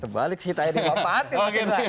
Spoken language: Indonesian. sebalik sih kita yang dimanfaatkan